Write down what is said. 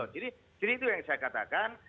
jadi itu yang saya katakan